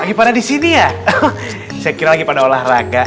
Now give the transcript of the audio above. lagi pada disini ya saya kira lagi pada olahraga